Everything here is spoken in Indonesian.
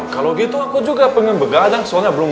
kalau gitu aku juga pengen begadang